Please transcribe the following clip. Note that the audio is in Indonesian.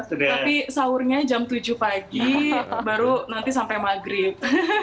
tapi sahurnya jam tujuh pagi baru nanti sampai maghrib